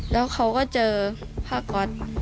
แล้วเขาก็เจอภาคกร